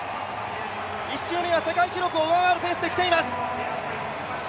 １周目は世界記録を上回るペースできています。